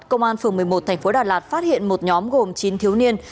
công an phường một mươi một thành phố đà lạt phát hiện một nhóm gồm chín thiếu niên